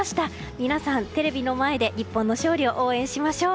皆さん、テレビの前で日本の勝利を応援しましょう。